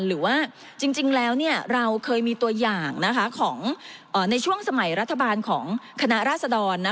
หรือว่าจริงแล้วเราเคยมีตัวอย่างของในช่วงสมัยรัฐบาลของคณะราษดร